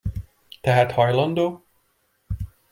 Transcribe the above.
Tehát hajlandó?